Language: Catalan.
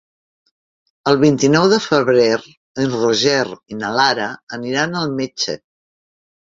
El vint-i-nou de febrer en Roger i na Lara aniran al metge.